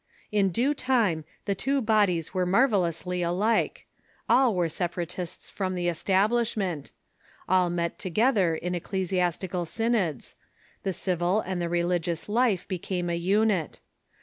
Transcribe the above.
In due time the two bodies were mar vellously alike — all were Separatists from the Establishment; all met together in ecclesiastical synods ; the civil and the religious life became a unit.